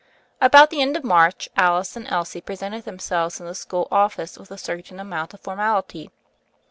ABOUT the end of March Alice and Elsie presented themselves in the school office with a certain amount of formality.